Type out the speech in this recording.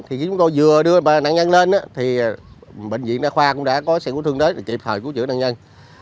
thì chúng tôi vừa đưa nạn nhân lên thì bệnh viện đa khoa cũng đã có xe cứu thương đến để kịp thời cứu chữa nạn nhân